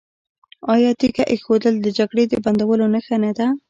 آیا تیږه ایښودل د جګړې د بندولو نښه نه ده؟